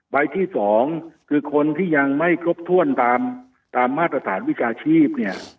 ใบที่๒คือคนที่ยังไม่ครบถ้วนตามมาตรฐานวิชาชีพเนี่ย